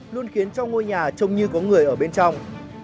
luôn khiến cho ngôi nhà trông như có người ở bên trong